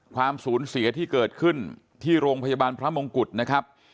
ความสูญเสียที่เกิดขึ้นที่โรงพยาบาลพระมงกุฎนะครับ